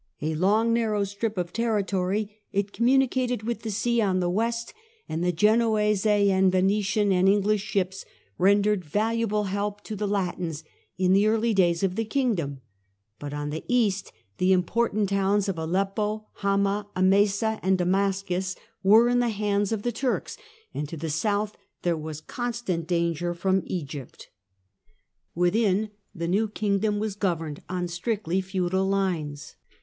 A long narrow strip of territory, it communicated with the sea on the west, and the Genoese, Venetian and English ships rendered valuable help to the Latins in the early days of the kingdom, but on the east, the im portant towns of Aleppo, Hamah, Emesa and Damascus were in the hands of the Turks, and to the south there was constant danger from Egypt. Within, the new kingdom was governed on strictly feudal lines.